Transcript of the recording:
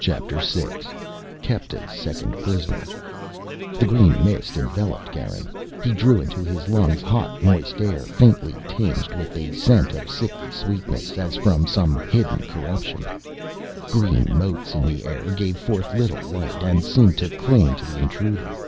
CHAPTER SIX Kepta's Second Prisoner The green mist enveloped Garin. He drew into his lungs hot moist air faintly tinged with a scent of sickly sweetness, as from some hidden corruption. Green motes in the air gave forth little light and seemed to cling to the intruder.